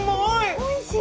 おいしい？